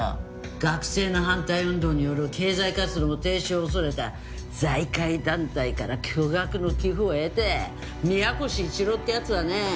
学生の反対運動による経済活動の停止を恐れた財界団体から巨額の寄付を得て宮越一郎って奴はね